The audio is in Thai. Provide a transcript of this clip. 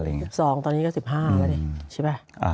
๑๒ตอนนี้ก็๑๕แล้วนี่ใช่ไหม